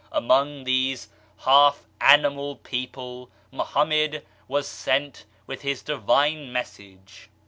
Among these half animal people Mohammed was sent with his divine message.